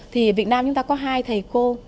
thì việt nam chúng ta có hai thầy cô